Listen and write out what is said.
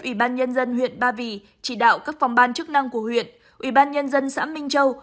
ủy ban nhân dân huyện ba vì chỉ đạo các phòng ban chức năng của huyện ủy ban nhân dân xã minh châu